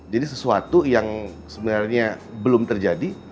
jadi sesuatu yang sebenarnya belum terjadi